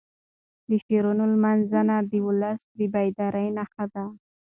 د شاعرانو لمانځنه د ولس د بیدارۍ نښه ده.